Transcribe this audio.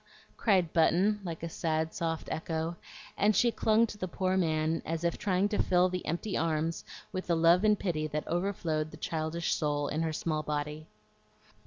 cried Button, like a sad, soft echo; and she clung to the poor man as if trying to fill the empty arms with the love and pity that over flowed the childish soul in her small body.